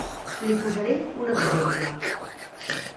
Li posaré un exemple.